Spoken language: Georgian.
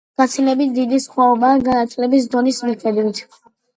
გაცილებით დიდი სხვაობაა განათლების დონის მიხედვით.